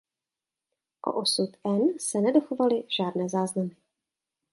O osudu Anne se nedochovaly žádné záznamy.